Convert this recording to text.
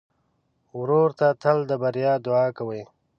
ورور ته تل د بریا دعا کوې.